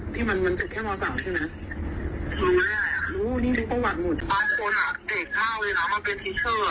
ตามคืนไปเคี้ยวผับนะเคี้ยวหนุ่มนมเทนะ